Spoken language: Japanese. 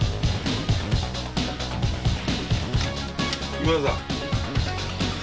今田さん。